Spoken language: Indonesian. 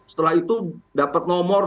setelah itu dapat nomor